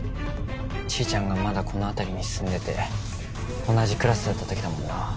ちーちゃんがまだこの辺りに住んでて同じクラスだったときだもんな。